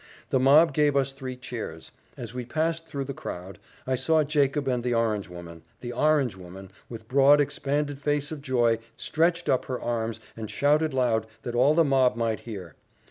The mob gave us three cheers. As we passed through the crowd, I saw Jacob and the orange woman the orange woman, with broad expanded face of joy, stretched up her arms, and shouted loud, that all the mob might hear.